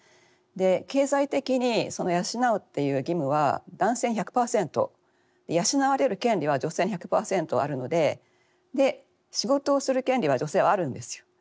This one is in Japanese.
経済的にその養うっていう義務は男性１００％で養われる権利は女性に１００％あるので仕事をする権利は女性はあるんですよ。